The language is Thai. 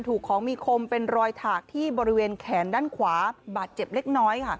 ถูกของมีคมเป็นรอยถากที่บริเวณแขนด้านขวาบาดเจ็บเล็กน้อยค่ะ